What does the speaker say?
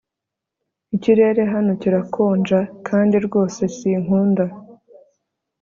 Ikirere hano kirakonja kandi rwose sinkunda